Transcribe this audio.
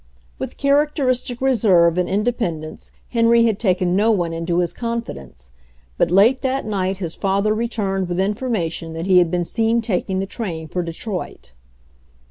With characteristic reserve and inde pendence Henry had taken no one into his confi dence, but late that night his father returned with information that he had been seen taking the train for Detroit.